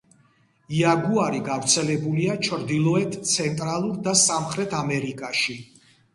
იაგუარი გავრცელებულია ჩრდილოეთ, ცენტრალურ და სამხრეთ ამერიკაში.